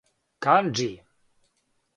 канџи